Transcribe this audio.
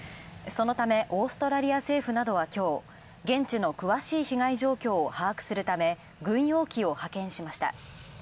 そのため、オーストラリア政府はきょう、現地の詳しい被害状況を把握するため軍用機を派遣しました。